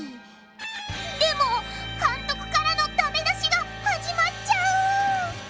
でも監督からのダメ出しが始まっちゃう！